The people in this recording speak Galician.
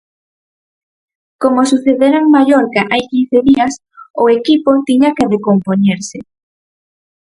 Como sucedera en Mallorca hai quince días o equipo tiña que recompoñerse.